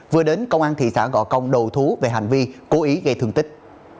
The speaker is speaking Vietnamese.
vừa đến công an thị xã gò công đầu thú về hành vi cố ý gây thương tích